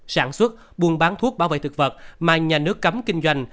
sản xuất buôn bán thuốc bảo vệ thực vật mà nhà nước cấm kinh doanh